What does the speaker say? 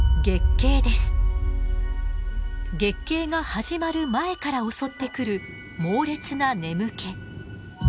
月経が始まる前から襲ってくる猛烈な眠気。